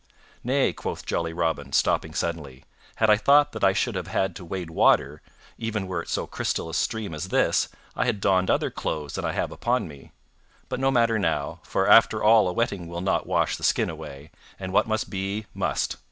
"Nay," quoth jolly Robin, stopping suddenly, "had I thought that I should have had to wade water, even were it so crystal a stream as this, I had donned other clothes than I have upon me. But no matter now, for after all a wetting will not wash the skin away, and what must be, must.